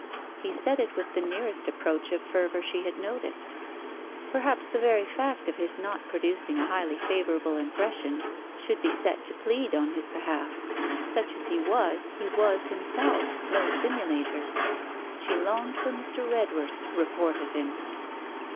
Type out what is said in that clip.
He said it with the nearest approach to fervour she had noticed. Perhaps the very fact of his not producing a highly favourable impression, should be set to plead on his behalf. Such as he was, he was himself, no simulator. She longed for Mr. Redworth's report of him.